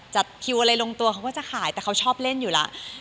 จัดคิวอะไรลงตัวเขาก็จะขายแต่เขาชอบเล่นอยู่แล้ว